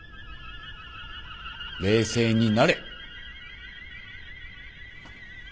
冷静になれ。